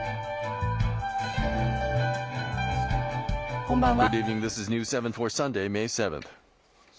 こんばんは。